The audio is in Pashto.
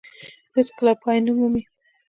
هېڅ کله پای نه مومي.